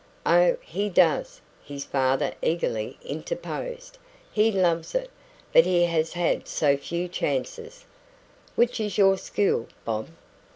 "Oh, he does," his father eagerly interposed. "He loves it. But he has had so few chances " "Which is your school, Bob?"